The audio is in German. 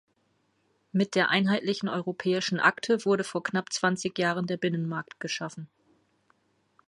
Mit der Einheitlichen Europäischen Akte wurde vor knapp zwanzig Jahren der Binnenmarkt geschaffen.